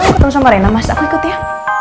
ketemu sama rena mas aku ikut ya